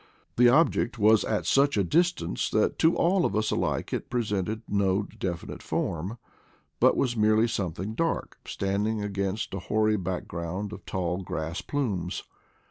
The object was at such a distance that to all of us alike it presented no definite form, but was merely something dark, standing against a hoary background pf tall grass plumes.